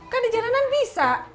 kan di jalanan pisah